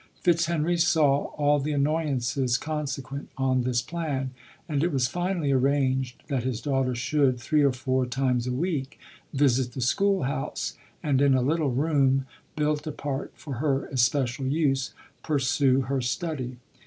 Fitzhenry saw all the annoyances consequent on this plan, and it was finally arranged that his daughter should, three or four times a week, visit the school house, and in a little room, built apart for her especial use, pursue her study.